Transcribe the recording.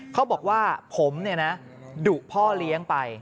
เขาบอกว่าผมดุพ่อเลี้ยงไป